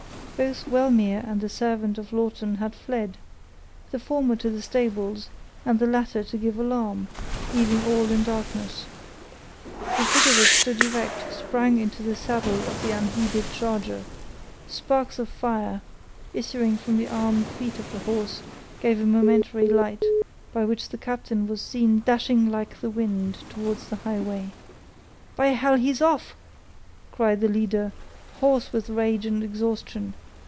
Both Wellmere and the servant of Lawton had fled: the former to the stables, and the latter to give the alarm, leaving all in darkness. The figure that stood erect sprang into the saddle of the unheeded charger; sparks of fire, issuing from the armed feet of the horse, gave a momentary light by which the captain was seen dashing like the wind towards the highway. "By hell, he's off!" cried the leader, hoarse with rage and exhaustion.